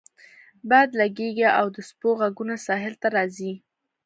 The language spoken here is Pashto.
باد لګیږي او د څپو غږونه ساحل ته راځي